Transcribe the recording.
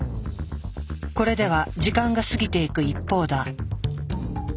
これでは時間が過ぎていく一方だ。